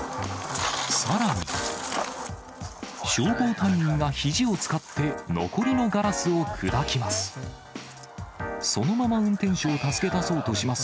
さらに、消防隊員がひじを使って残りのガラスを砕きます。